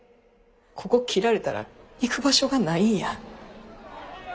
ここ切られたら行く場所がないんや。